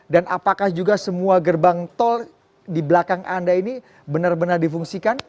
dan apakah juga semua gerbang tol di belakang anda ini benar benar difungsikan